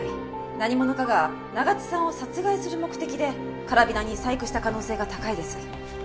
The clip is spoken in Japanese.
何者かが長津さんを殺害する目的でカラビナに細工した可能性が高いです。